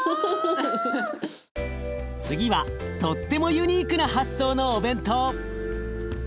次はとってもユニークな発想のお弁当。